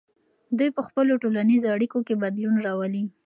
دوی په خپلو ټولنیزو اړیکو کې بدلون راولي.